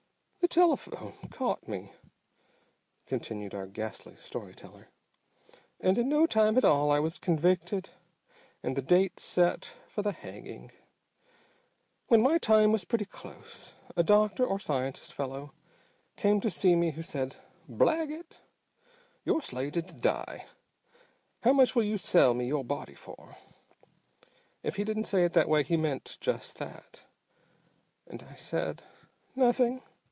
"The telephone caught me," continued our ghastly story teller, "and in no time at all I was convicted and the date set for the hanging. When my time was pretty close a doctor or scientist fellow came to see me who said, 'Blaggett, you're slated to die. How much will you sell me your body for?' If he didn't say it that way he meant just that. And I said, 'Nothing.